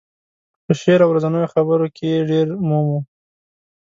په شعر او ورځنیو خبرو کې یې ډېر مومو.